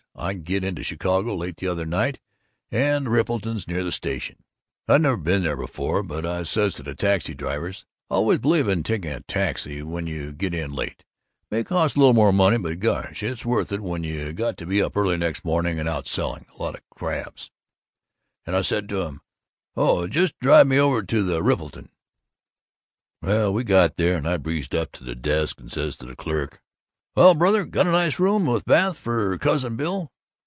I got into Chicago late the other night, and the Rippleton's near the station I'd never been there before, but I says to the taxi driver I always believe in taking a taxi when you get in late; may cost a little more money, but, gosh, it's worth it when you got to be up early next morning and out selling a lot of crabs and I said to him, 'Oh, just drive me over to the Rippleton.' "Well, we got there, and I breezed up to the desk and said to the clerk, 'Well, brother, got a nice room with bath for Cousin Bill?